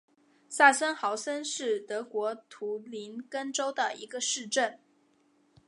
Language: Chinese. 萨森豪森是德国图林根州的一个市镇。